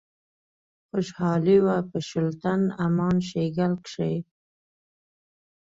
خوشحالي وه په شُلتن، امان شیګل کښي